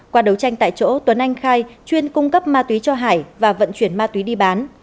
qua đấu tranh tại chỗ tuấn anh khai chuyên cung cấp ma túy cho hải và vận chuyển ma túy đi bán